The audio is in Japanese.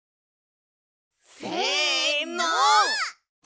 せの！